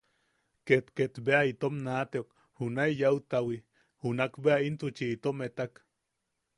Ket... ket bea itom naʼateok junae yaʼuttawi, junak bea intuchi itom etak.